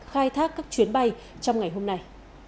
khai thác các chuyến bay trong ngày hôm nay